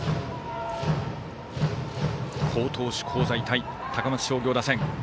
好投手、香西対高松商業打線。